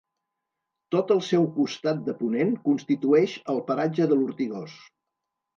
Tot el seu costat de ponent constitueix el paratge de l'Ortigós.